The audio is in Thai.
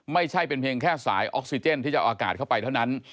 ไม่ใช่เป็นเพียงแค่สายออกซิเจนที่จะเอาอากาศเข้าไปเท่านั้น